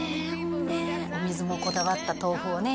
ほんでお水もこだわった豆腐をね